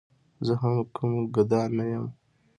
زه هم کوم ګدا نه یم.